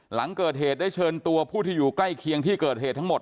หลังเกิดเหตุได้เชิญตัวผู้ที่อยู่ใกล้เคียงที่เกิดเหตุทั้งหมด